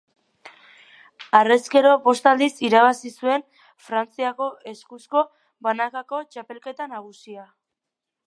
Harrezkero bost aldiz irabazi zuen Frantziako eskuzko Banakako Txapelketa Nagusia.